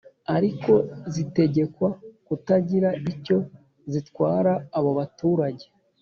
Ariko zitegekwa kutagira icyo zitwara abo baturage